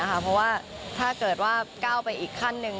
เพราะว่าถ้าเกิดว่าก้าวไปอีกขั้นหนึ่ง